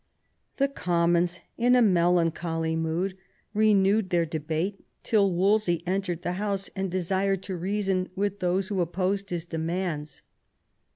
The Commons in a melancholy mood renewed their debate till Wolsey entered the House and desired to reason with those who opposed his demands.